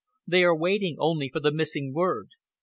They are waiting only for the missing word.